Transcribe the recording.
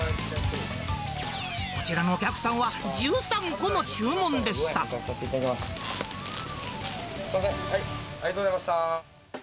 こちらのお客さんは、１３個の注すみません、ありがとうございました。